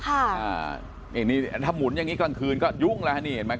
อันนี้ถ้าหมุนอย่างนี้กลางคืนก็ยุ่งแล้วนี่เห็นไหม